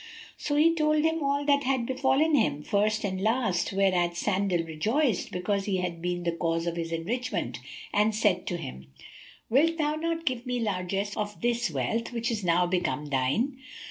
So he told him all that had befallen him, first and last, whereat Sandal rejoiced, because he had been the cause of his enrichment, and said to him, "Wilt thou not give me largesse of this wealth which is now become thine?"